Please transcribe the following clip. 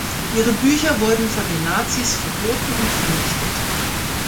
Ihre Bücher wurden von den Nazis verboten und vernichtet.